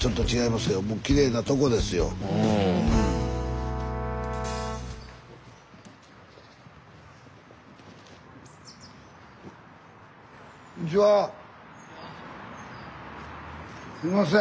すいません。